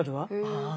ああ。